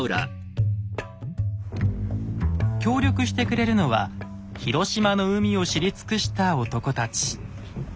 協力してくれるのは広島の海を知り尽くした男たち。